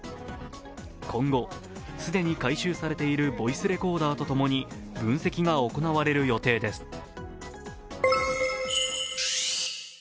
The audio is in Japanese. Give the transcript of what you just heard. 今後、既に回収されているボイスレコーダーと共に分析が行われる予定です。